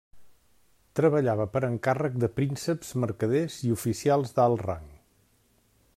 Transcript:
Treballava per encàrrec de prínceps, mercaders i oficials d'alt rang.